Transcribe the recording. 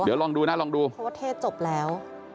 เพราะว่าเทศแร่งแล้ว